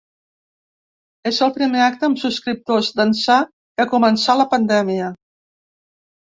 És el primer acte amb subscriptors d’ençà que començà la pandèmia.